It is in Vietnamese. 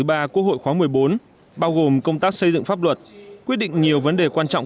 ba quốc hội khóa một mươi bốn bao gồm công tác xây dựng pháp luật quyết định nhiều vấn đề quan trọng